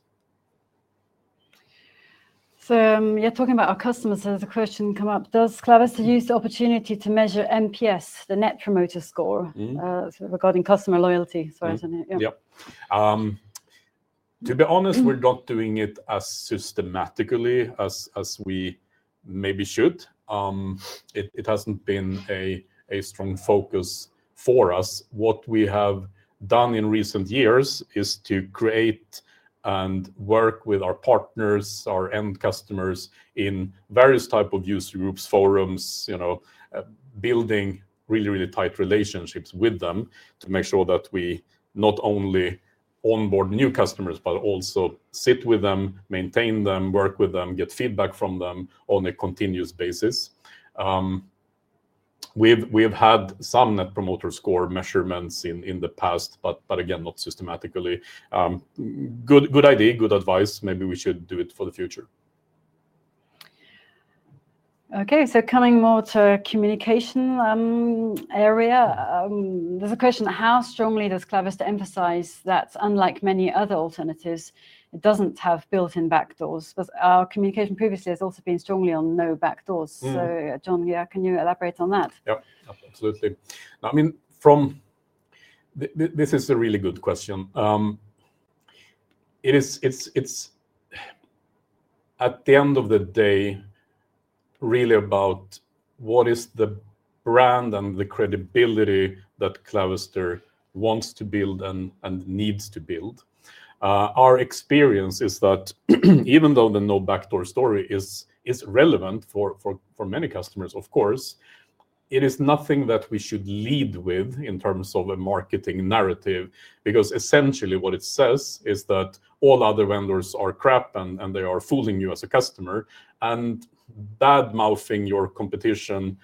You're talking about our customers. There's a question come up. Does Clavister use the opportunity to measure NPS, the Net Promoter Score, regarding customer loyalty? To be honest, we're not doing it as systematically as we maybe should. It hasn't been a strong focus for us. What we have done in recent years is to create and work with our partners, our end customers in various types of user groups, forums, building really, really tight relationships with them to make sure that we not only onboard new customers, but also sit with them, maintain them, work with them, get feedback from them on a continuous basis. We've had some Net Promoter Score measurements in the past, but again, not systematically. Good idea, good advice. Maybe we should do it for the future. Okay, coming more to the communication area, there's a question. How strongly does Clavister emphasize that, unlike many other alternatives, it doesn't have built-in backdoors? Our communication previously has also been strongly on no backdoors. John, can you elaborate on that? Yeah, absolutely. I mean, this is a really good question. It is, at the end of the day, really about what is the brand and the credibility that Clavister wants to build and needs to build. Our experience is that even though the no backdoor story is relevant for many customers, of course, it is nothing that we should lead with in terms of a marketing narrative because essentially what it says is that all other vendors are crap and they are fooling you as a customer. Badmouthing your competition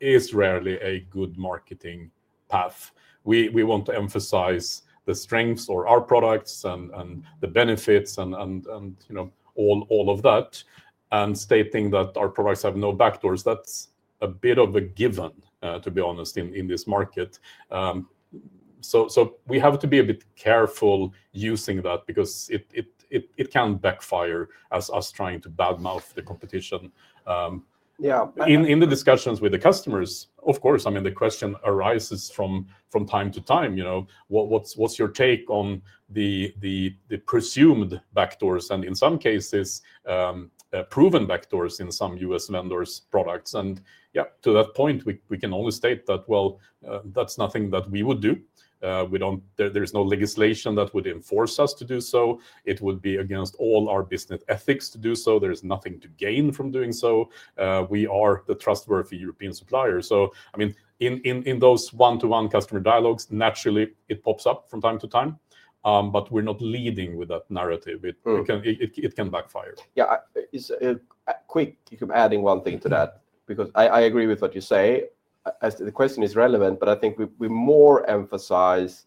is rarely a good marketing path. We want to emphasize the strengths of our products and the benefits and all of that. Stating that our products have no backdoors, that's a bit of a given, to be honest, in this market. We have to be a bit careful using that because it can backfire as us trying to badmouth the competition. In the discussions with the customers, of course, the question arises from time to time, you know, what's your take on the presumed backdoors and in some cases, proven backdoors in some U.S. vendors' products? To that point, we can only state that, well, that's nothing that we would do. There's no legislation that would enforce us to do so. It would be against all our business ethics to do so. There's nothing to gain from doing so. We are the trustworthy European supplier. In those one-to-one customer dialogues, naturally, it pops up from time to time. We're not leading with that narrative. It can backfire. Yeah, quick, you can add one thing to that because I agree with what you say. The question is relevant, but I think we more emphasize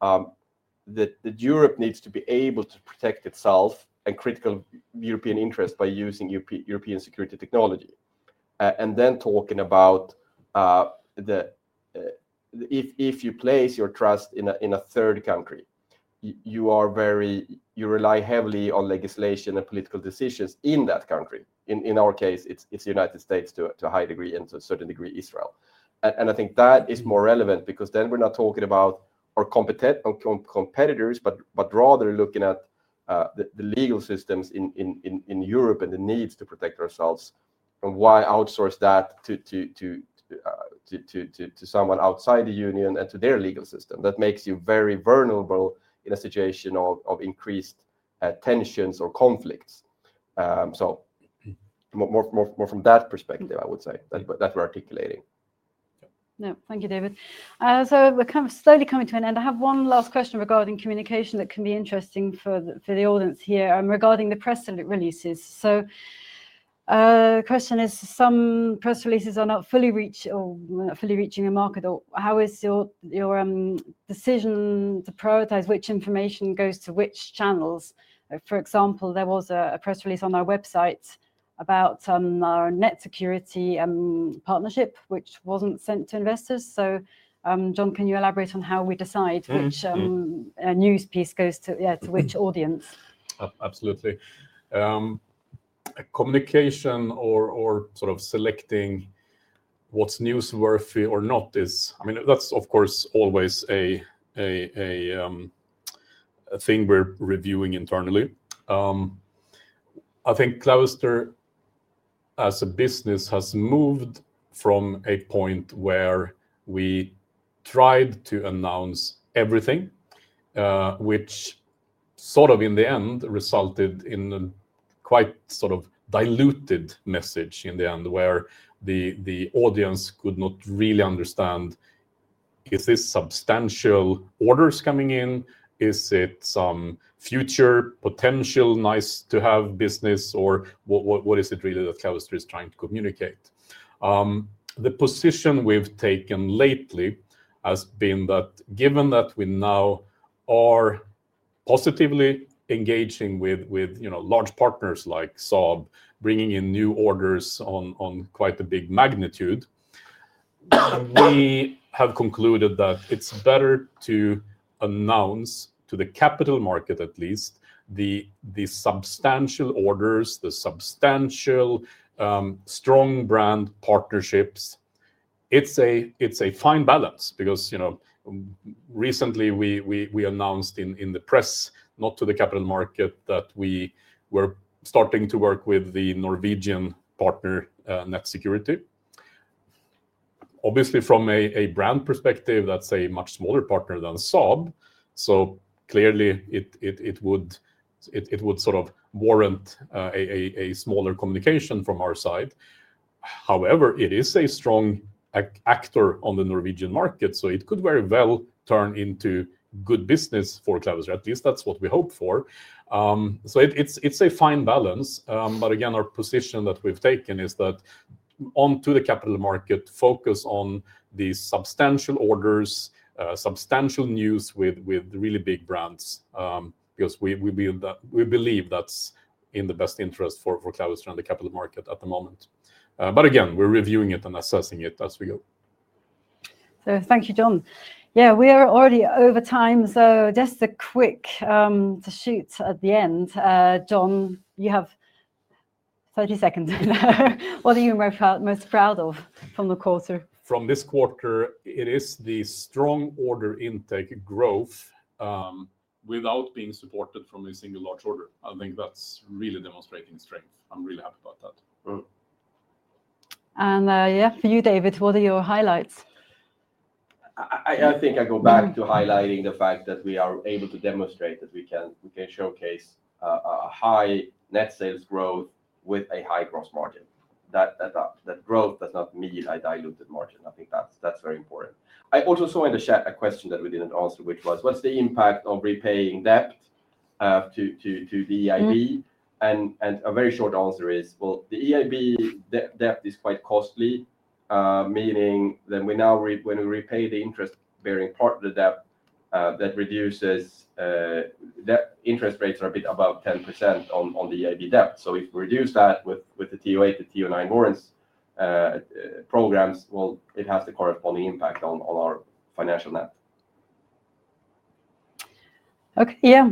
that Europe needs to be able to protect itself and critical European interests by using European security technology. Talking about if you place your trust in a third country, you rely heavily on legislation and political decisions in that country. In our case, it's the United States. to a high degree and to a certain degree Israel. I think that is more relevant because then we're not talking about our competitors, but rather looking at the legal systems in Europe and the needs to protect ourselves. Why outsource that to someone outside the Union and to their legal system? That makes you very vulnerable in a situation of increased tensions or conflicts. More from that perspective, I would say that we're articulating. No, thank you, David. We're kind of slowly coming to an end. I have one last question regarding communication that can be interesting for the audience here regarding the press releases. The question is, some press releases are not fully reached or not fully reaching a market. How is your decision to prioritize which information goes to which channels? For example, there was a press release on our website about our Netsecurity partnership, which wasn't sent to investors. John, can you elaborate on how we decide which news piece goes to which audience? Absolutely. Communication or sort of selecting what's newsworthy or not is, I mean, that's of course always a thing we're reviewing internally. I think Clavister, as a business, has moved from a point where we tried to announce everything, which in the end resulted in a quite sort of diluted message in the end, where the audience could not really understand, is this substantial orders coming in? Is it some future potential nice-to-have business? Or what is it really that Clavister is trying to communicate? The position we've taken lately has been that given that we now are positively engaging with large partners like Saab, bringing in new orders on quite a big magnitude, we have concluded that it's better to announce to the capital market at least the substantial orders, the substantial strong brand partnerships. It's a fine balance because you know recently we announced in the press, not to the capital market, that we were starting to work with the Norwegian partner, Netsecurity. Obviously, from a brand perspective, that's a much smaller partner than Saab. Clearly, it would sort of warrant a smaller communication from our side. However, it is a strong actor on the Norwegian market. It could very well turn into good business for Clavister. At least that's what we hope for. It's a fine balance. Again, our position that we've taken is that onto the capital market, focus on these substantial orders, substantial news with really big brands, because we believe that's in the best interest for Clavister and the capital market at the moment. Again, we're reviewing it and assessing it as we go. Thank you, John. Yeah, we are already over time. Just a quick shoot at the end. John, you have 30 seconds. What are you most proud of from the quarter? From this quarter, it is the strong order intake growth without being supported from a single large order. I think that's really demonstrating strength. I'm really happy about that. For you, David, what are your highlights? I think I go back to highlighting the fact that we are able to demonstrate that we can showcase a high net sales growth with a high gross margin. That growth does not mean a diluted margin. I think that's very important. I also saw in the chat a question that we didn't answer, which was, what's the impact of repaying debt to the EIB? A very short answer is, the EIB debt is quite costly, meaning that when we repay the interest-bearing part of the debt, that reduces debt. Interest rates are a bit above 10% on the EBITDA. We reduce that with the TO8 to TO9 warrants programs. It has the corresponding impact on our financial net. Okay, yeah.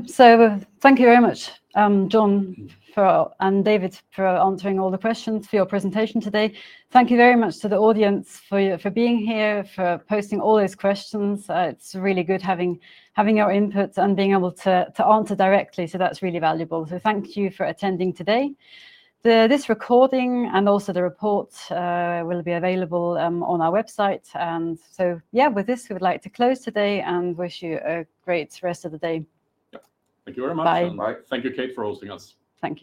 Thank you very much, John, and David, for answering all the questions for your presentation today. Thank you very much to the audience for being here, for posting all those questions. It's really good having your input and being able to answer directly. That's really valuable. Thank you for attending today. This recording and also the report will be available on our website. With this, we would like to close today and wish you a great rest of the day. Thank you very much. Thank you, Kate, for hosting us. Thank you.